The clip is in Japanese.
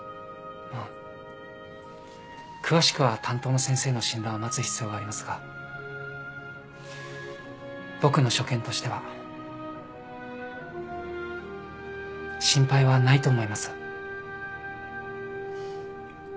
まあ詳しくは担当の先生の診断を待つ必要がありますが僕の所見としては心配はないと思います。